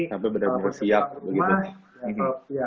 kalau saya pulang ke rumah ya